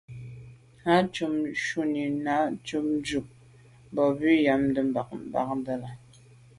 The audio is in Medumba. Á cúp mbə̄ shúnī nâʼ kghút jùp bǎʼ bû ŋgámbándá.